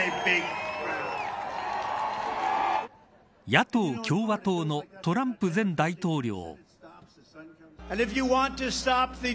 野党・共和党のトランプ前大統領。